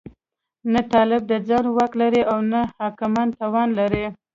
نه طالب د ځان واک لري او نه حاکمان توان لري.